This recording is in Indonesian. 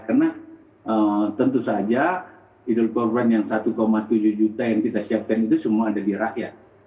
karena tentu saja hidup korban yang satu tujuh juta yang kita siapkan itu semua ada di rakyat